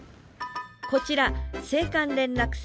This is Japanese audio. こちら青函連絡船